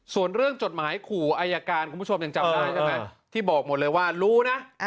ส่วนเรื่องจดหมายขู่อายการคุณผู้ชมยังจำได้ใช่ไหมที่บอกหมดเลยว่ารู้นะ